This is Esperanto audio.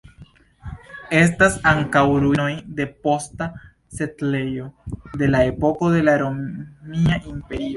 Estas ankaŭ ruinoj de posta setlejo de la epoko de la Romia Imperio.